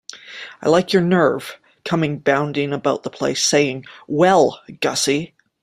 I like your nerve, coming bounding about the place, saying 'Well, Gussie.'